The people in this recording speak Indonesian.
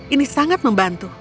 ini sangat membantu